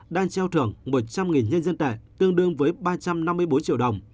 đang treo thưởng một trăm linh nhân dân tệ tương đương với ba trăm năm mươi bốn triệu đồng